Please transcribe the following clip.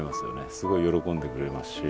すごい喜んでくれますし。